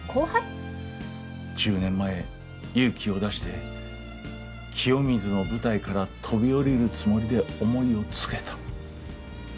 １０年前勇気を出して清水の舞台から飛び降りるつもりで思いを告げた。